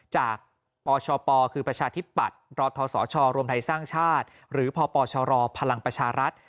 จากปชปคือประชาธิบัติรศชรทศชหรือพปชรพลังประชารัฐ